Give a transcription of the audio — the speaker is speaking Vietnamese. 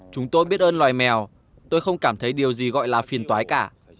chúng tôi biết ơn loài mèo tôi không cảm thấy điều gì gọi là phiền tói cả